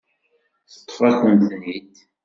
Teṭṭef-akent-ten-id.